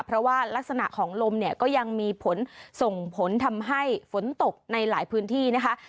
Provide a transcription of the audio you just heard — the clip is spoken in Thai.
เพราะว่ารักษณะของลมเนี่ยก็ยังมีผลส่งผลทำให้ฝนตกในหลายพื้นที่นะคะ